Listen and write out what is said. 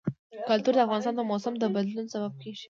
کلتور د افغانستان د موسم د بدلون سبب کېږي.